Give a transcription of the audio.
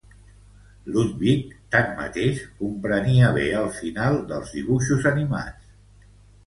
Ludwig tanmateix, comprenia bé el final dels dibuixos animats.